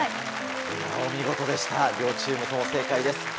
お見事でした両チームとも正解です。